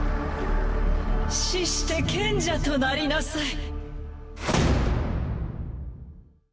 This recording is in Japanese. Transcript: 死して賢者となりなさい。